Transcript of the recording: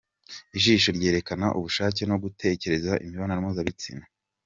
Ijisho ryerekana ubushake no gutekereza imibonano mpuzabitsina